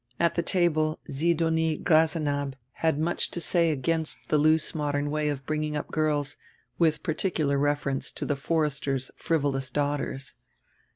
At die table Sidonie Grasenabb had much to say against die loose modern way of bringing up girls, widi particular reference to die Forester's frivolous daughters.